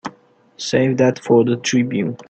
Save that for the Tribune.